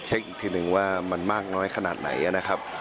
อีกทีหนึ่งว่ามันมากน้อยขนาดไหนนะครับ